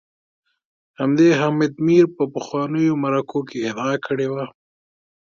همدې حامد میر په پخوانیو مرکو کي ادعا کړې وه